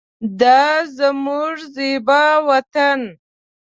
دا زمونږ زیبا وطن